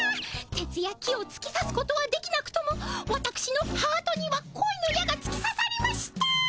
鉄や木をつきさすことはできなくともわたくしのハートにはこいの矢がつきささりました！